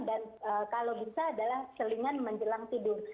dan kalau bisa adalah selingan menjelang tidur